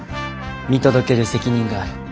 見届ける責任がある。